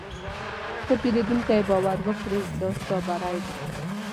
که پیرودونکی باور وکړي، دا ستا بری دی.